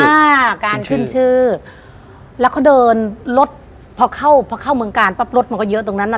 อ่าการขึ้นชื่อแล้วเขาเดินรถพอเข้าพอเข้าเมืองกาลปั๊บรถมันก็เยอะตรงนั้นน่ะ